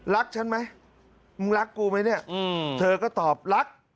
รักฉันไหมมึงรักกูไหมเนี่ยเธอก็ตอบรัก